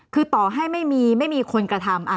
คือต่อให้ไม่มีคนกระทำ